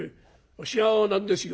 あっしは何ですよ